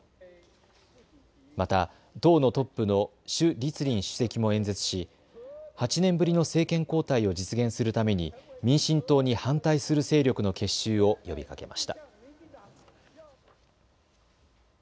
また党のトップの朱立倫主席も演説し８年ぶりの政権交代を実現するために民進党に反対する勢力の結集を呼びかけました。